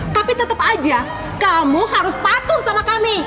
tapi tetap aja kamu harus patuh sama kami